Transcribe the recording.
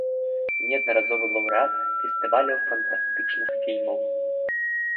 Неаднаразовы лаўрэат фестываляў фантастычных фільмаў.